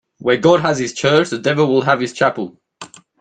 Where God has his church, the devil will have his chapel.